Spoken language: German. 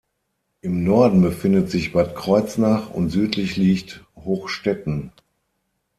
Im Norden befindet sich Bad Kreuznach, und südlich liegt Hochstätten.